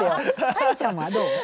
愛理ちゃんはどう？